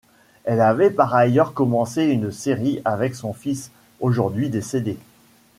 Elle avait par ailleurs commencé une série avec son fils, aujourd'hui décédé.